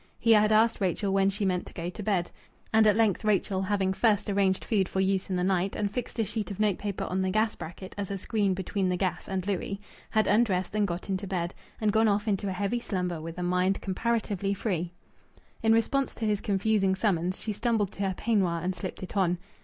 He had asked Rachel when she meant to go to bed. And at length Rachel, having first arranged food for use in the night, and fixed a sheet of note paper on the gas bracket as a screen between the gas and Louis, had undressed and got into bed, and gone off into a heavy slumber with a mind comparatively free. In response to his confusing summons, she stumbled to her peignoir and slipped it on.